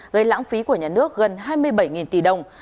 gây lãng phí của nhà nước gần hai mươi bảy tỷ đồng